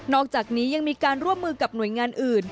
อกจากนี้ยังมีการร่วมมือกับหน่วยงานอื่น